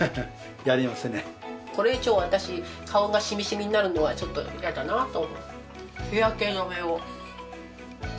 これ以上私顔がシミシミになるのはちょっと嫌だなと。